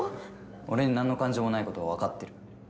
俺になんの感情もない事はわかってる。